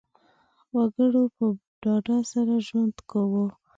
وګړو په ډاډ سره ژوند کاوه.